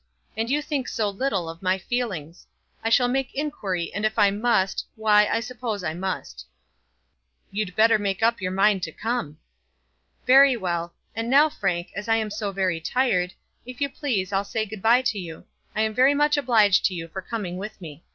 And you think so little of my feelings! I shall make inquiry, and if I must, why I suppose I must." "You'd better make up your mind to come." "Very well. And now, Frank, as I am so very tired, if you please I'll say good bye to you. I am very much obliged to you for coming with me.